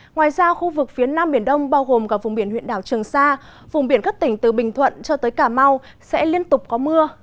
ngoài ra khu vực phía nam miền đông bao gồm cả vùng biển huyện đảo trường sa vùng biển các tỉnh từ bình thuận cho tới cà mau sẽ liên tục có mưa